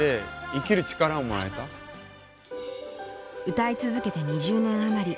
歌い続けて２０年余り。